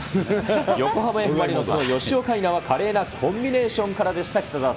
横浜Ｆ・マリノスの吉尾海夏は華麗なコンビネーションでした。